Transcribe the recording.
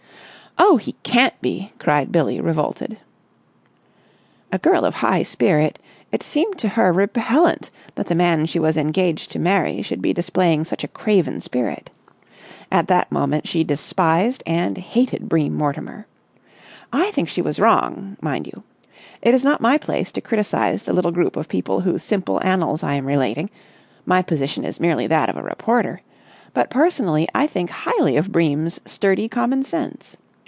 "Oh, he can't be!" cried Billie, revolted. A girl of high spirit, it seemed to her repellent that the man she was engaged to marry should be displaying such a craven spirit. At that moment she despised and hated Bream Mortimer. I think she was wrong, mind you. It is not my place to criticise the little group of people whose simple annals I am relating—my position is merely that of a reporter—; but personally I think highly of Bream's sturdy common sense.